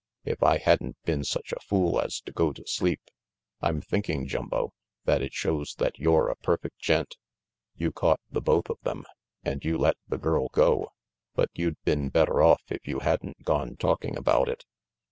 "If I hadn't been such a fool as to go to sleep." "I'm thinking, Jumbo, that it shows that you're a perfect gent. You caught the both of them, and you let the girl go, but you'd been better off if you hadn't gone talking about it."